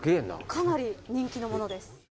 かなり人気のものです。